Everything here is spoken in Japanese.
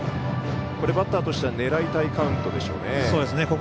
バッターとしては狙いたいカウントでしょうね。